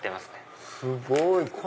すごい！